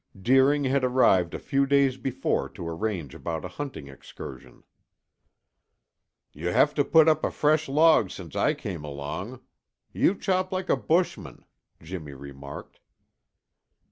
Deering had arrived a few days before to arrange about a hunting excursion. "You have put up a fresh log since I came along. You chop like a bushman," Jimmy remarked.